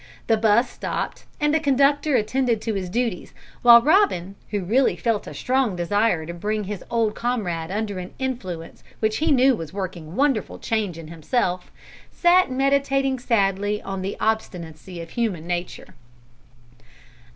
The 'bus stopped, and the conductor attended to his duties, while Robin, who really felt a strong desire to bring his old comrade under an influence which he knew was working a wonderful change in himself, sat meditating sadly on the obstinacy of human nature.